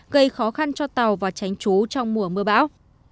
gây khó khăn cho tàu vào tranh trú trong mùa mưa bão